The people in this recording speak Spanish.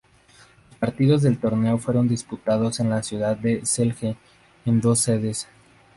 Los partidos del torneo fueron disputados en la ciudad de Celje, en dos sedes.